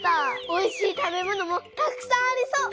おいしい食べ物もたくさんありそう。